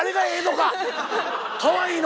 かわいいの？